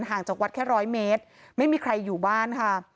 จากวัดแค่ร้อยเมตรไม่มีใครอยู่บ้านค่ะ